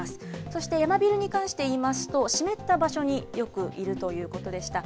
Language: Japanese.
そしてヤマビルに関していいますと、湿った場所によくいるということでした。